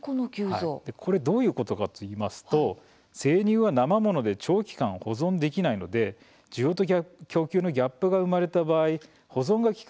これどういうことかといいますと生乳は、なま物で長期間保存できないので需要と供給のギャップが生まれた場合保存が利く